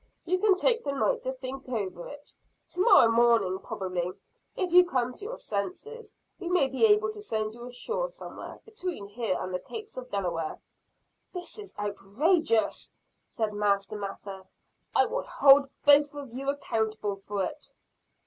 You can take the night to think over it. To morrow morning probably, if you come to your senses, we may be able to send you ashore somewhere, between here and the capes of the Delaware." "This is outrageous!" said Master Mather. "I will hold both of you accountable for it."